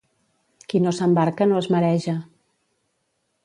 Qui no s'embarca no es mareja.